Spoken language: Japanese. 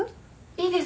いいですか？